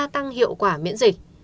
tăng hiệu quả miễn dịch